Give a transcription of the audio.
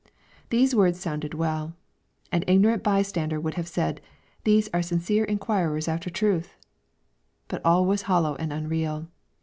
These words sounded well. An ignorant bystander would have said, ^* These are sincere inquirers after truth I" But all was hollow and unreal.